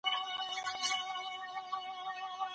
ذهن مو باید متمرکز وي.